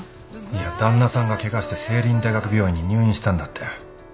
いや旦那さんがケガして西麟大学病院に入院したんだって。